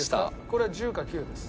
これは１０か９です。